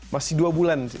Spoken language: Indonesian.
masih dua bulan